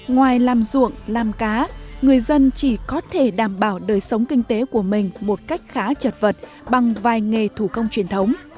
ngoài làm ruộng làm cá người dân chỉ có thể đảm bảo đời sống kinh tế của mình một cách khá chật vật bằng vài nghề thủ công truyền thống